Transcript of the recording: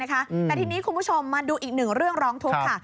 แต่ทีนี้คุณผู้ชมมาดูอีกหนึ่งเรื่องร้องทุกข์ค่ะ